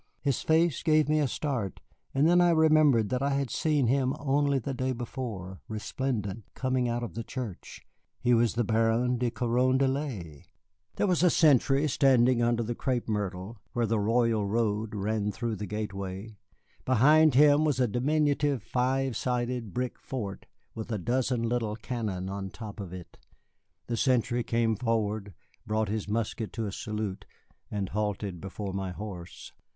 His face gave me a start, and then I remembered that I had seen him only the day before, resplendent, coming out of church. He was the Baron de Carondelet. There was a sentry standing under a crape myrtle where the Royal Road ran through the gateway. Behind him was a diminutive five sided brick fort with a dozen little cannon on top of it. The sentry came forward, brought his musket to a salute, and halted before my horse.